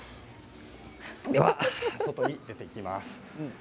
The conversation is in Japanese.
では外に出ていきます。